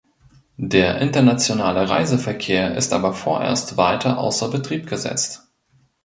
Der internationale Reiseverkehr ist aber vorerst weiter außer Betrieb gesetzt.